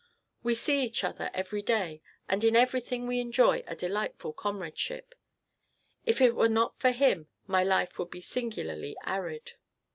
We see each other every day, and in everything we enjoy a delightful comradeship. If it were not for him my life would be singularly arid."